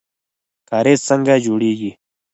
کاریز څنګه جوړیږي؟